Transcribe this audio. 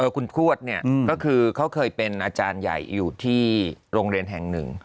คุณทวดเนี่ยก็คือเขาเคยเป็นอาจารย์ใหญ่อยู่ที่โรงเรียนแห่งหนึ่ง